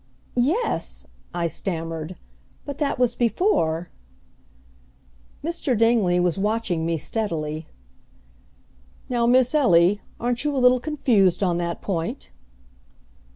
"Yes," I stammered, "but that was before." Mr. Dingley was watching me steadily. "Now, Miss Ellie, aren't you a little confused on that point?"